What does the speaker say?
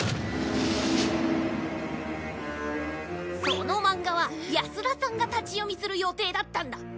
そのマンガは安田さんが立ち読みする予定だったんだ！